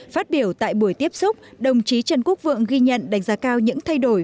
phát biểu tại buổi tiếp xúc đồng chí trần quốc vượng ghi nhận đánh giá cao những thay đổi